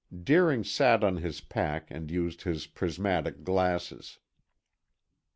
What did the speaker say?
Deering sat on his pack and used his prismatic glasses.